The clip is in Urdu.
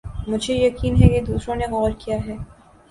مجھے یقین ہے کہ دوسروں نے غور کِیا ہے